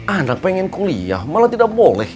anak pengen kuliah malah tidak boleh